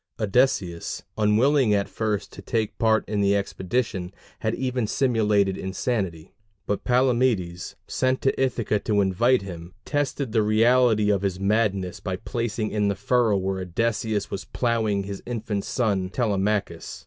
Odysseus, unwilling at first to take part in the expedition, had even simulated insanity; but Palamedes, sent to Ithaca to invite him, tested the reality of his madness by placing in the furrow where Odysseus was ploughing his infant son Telemachus.